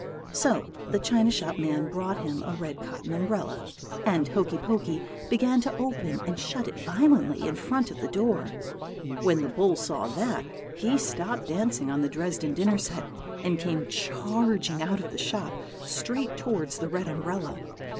"So the china shop man brought him a red cotton umbrella, and Hokey Pokey began to open and shut it violently in front of the door. When the bull saw that, he stopped dancing on the Dresden dinner set and came charging out of the shop, straight towards the red umbrella.